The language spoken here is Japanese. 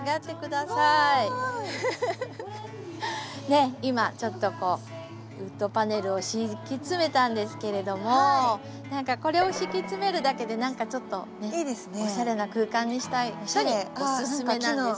ねっ今ちょっとこうウッドパネルを敷き詰めたんですけれども何かこれを敷き詰めるだけでちょっとねおしゃれな空間にしたい人におすすめなんです。